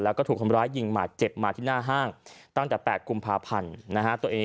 แล้วก็ถูกคนร้ายยิงบาดเจ็บมาที่หน้าห้างตั้งแต่๘กุมภาพันธ์นะฮะ